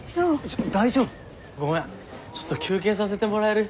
ごめんちょっと休憩させてもらえる？